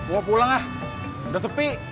gua pulang ah udah sepi